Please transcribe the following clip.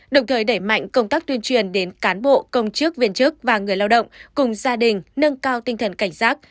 đồng thời đẩy mạnh công tác tuyên truyền đến cán bộ công chức viên chức và người lao động cùng gia đình nâng cao tinh thần cảnh giác